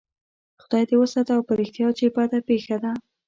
خدای دې وساته او په رښتیا چې بده پېښه ده.